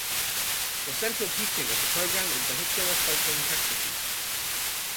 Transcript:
The central teaching of the program is vehicular cycling practices.